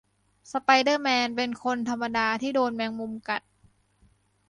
สไปเดอร์แมน เป็นคนธรรมดาที่โดนแมงมุมกัด